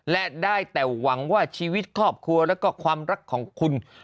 และได้แต่หวังว่าชีวิตครอบครัวแล้วก็ความรักของคุณ